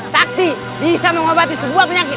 takti bisa mengobati sebuah penyakit